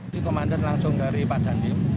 si komandan langsung dari pak candi